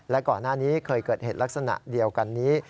และก่อนหน้านี้เคยเกิดเหตุลักษณะเดียวกันนี้